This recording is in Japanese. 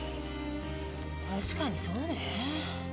確かにそうねぇ。